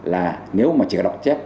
là nếu mà chỉ đọc chép